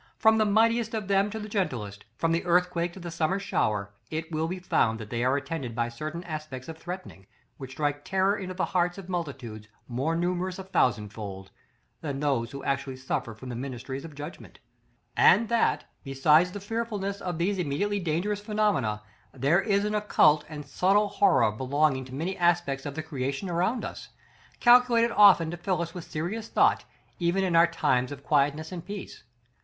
From the mightiest of them to the gentlest, from the earthquake to the summer shower, it will be found that they are attended by certain aspects of threatening, which strike terror into the hearts of multitudes more numerous a thousandfold than those who actually suffer from the ministries of judgment; and that, besides the fearfulness of these immediately dangerous phenomena, there is an occult and subtle horror belonging to many aspects of the creation around us, calculated often to fill us with serious thought, even in our times of quietness and peace.